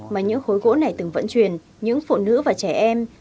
mà những khối gỗ này từng vận chuyển những phụ nữ và trẻ em